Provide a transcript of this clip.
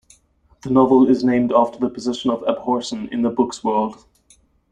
The novel is named after the position of Abhorsen in the book's world.